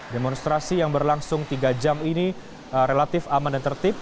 demonstrasi yang berlangsung tiga jam ini relatif aman dan tertib